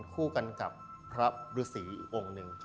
คู่กันกับพระฤษีอีกองค์หนึ่ง